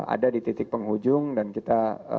ada di titik penghujung dan kita